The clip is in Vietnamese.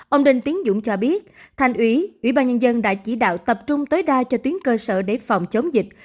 ông đinh tiến dũng cho biết thành ủy ủy ban nhân dân đã chỉ đạo tập trung tối đa cho tuyến cơ sở để phòng chống dịch